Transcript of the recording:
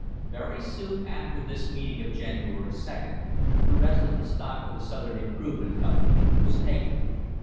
Very soon after this meeting of January 2 the rest of the stock of the South Improvement Company was taken.